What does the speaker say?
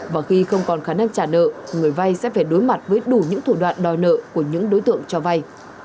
và khi không còn khả năng trả nợ người vay sẽ phải đối mặt với đủ những thủ đoạn đòi nợ của những đối tượng cho vay